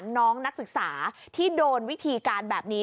นักศึกษาที่โดนวิธีการแบบนี้